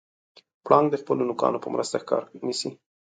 پړانګ د خپلو نوکانو په مرسته ښکار نیسي.